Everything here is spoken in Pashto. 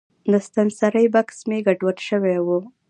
د ستنسرۍ بکس مې ګډوډ شوی و.